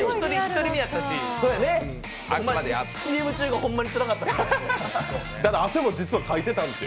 １人目やったし、ＣＭ中がほんまにつらかったです。